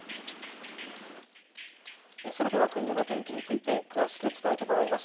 それでは今後の天気について、詳しく伝えてもらいます。